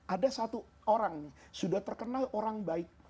ada satu orang nih sudah terkenal orang baik